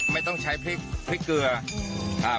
ไม่ต้องใช้พริกเกลือครับ